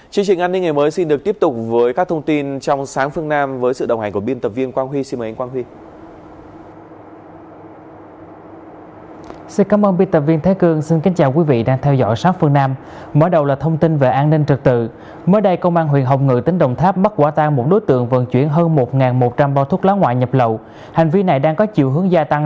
chương trình an ninh ngày mới xin được tiếp tục với các thông tin